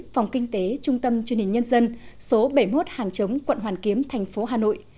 phòng kinh tế trung tâm truyền hình nhân dân số bảy mươi một hàng chống quận hoàn kiếm thành phố hà nội